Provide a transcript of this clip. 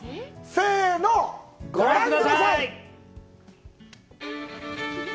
せの、ご覧ください！